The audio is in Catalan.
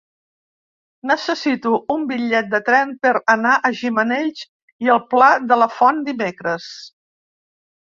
Necessito un bitllet de tren per anar a Gimenells i el Pla de la Font dimecres.